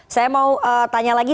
saya mau tanya lagi